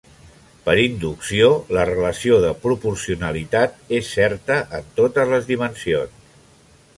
Per inducció, la relació de proporcionalitat és certa en totes les dimensions.